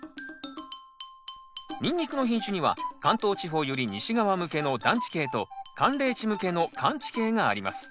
ニンニクの品種には関東地方より西側向けの暖地系と寒冷地向けの寒地系があります。